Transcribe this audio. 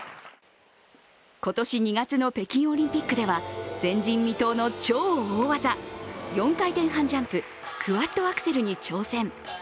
今年２月の北京オリンピックでは前人未到の超大技４回転半ジャンプ、クワッドアクセルに挑戦。